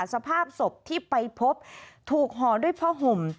สภาพศพที่ไปพบถูกห่อด้วยผ้าห่ม